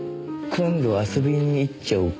今度遊びに行っちゃおうかな。